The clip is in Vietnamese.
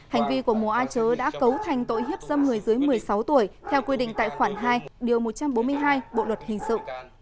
hành vi của mùa a chớ đã cấu thành tội hiếp dâm người dưới một mươi sáu tuổi theo quy định tại khoản hai điều một trăm bốn mươi hai bộ luật hình sự